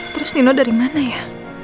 terus nino dari mana ya